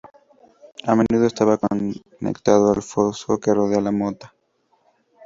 A menudo estaba conectado al foso que rodea la mota.